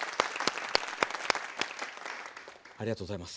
ありがとうございます。